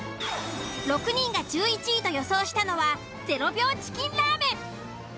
６人が１１位と予想したのは０秒チキンラーメン。